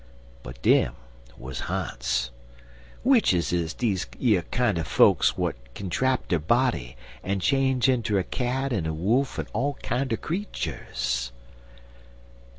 But dem wuz ha'nts. Witches is deze yer kinder fokes w'at kin drap der body en change inter a cat en a wolf en all kinder creeturs."